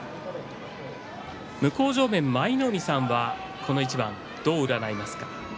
向正面、舞の海さんはこの一番どう占いますか。